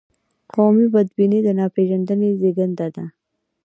قومي بدبیني د ناپېژندنې زیږنده ده.